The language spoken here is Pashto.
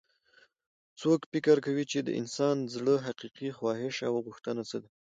څوک فکر کوي چې د انسان د زړه حقیقي خواهش او غوښتنه څه ده